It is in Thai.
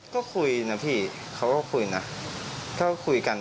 ก็คุยนะพี่เขาก็คุยนะก็คุยกัน